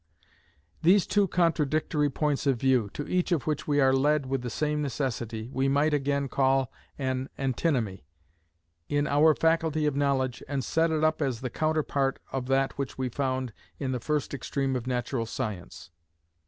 These two contradictory points of view, to each of which we are led with the same necessity, we might again call an antinomy in our faculty of knowledge, and set it up as the counterpart of that which we found in the first extreme of natural science.